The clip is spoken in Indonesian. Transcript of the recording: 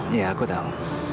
iya aku tau